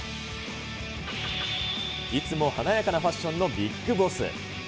いつも華やかなファッションのビッグボス。